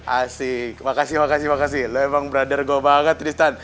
asik makasih makasih makasih lo emang brother gue banget tristan